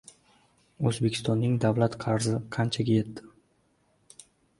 O‘zbekistonning davlat qarzi qanchaga yetdi?